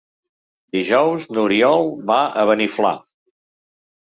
Dijous n'Oriol va a Beniflà.